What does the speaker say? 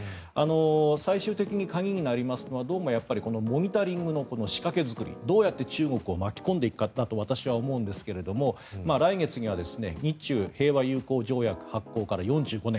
最終的に鍵になりますのはどうもモニタリングの仕掛け作りどうやって中国を巻き込んでいくかだと私は思うんですけど来月には日中平和友好条約発効から４５年。